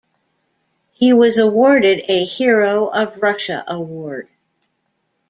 He was awarded a Hero of Russia award.